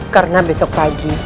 karena besok pagi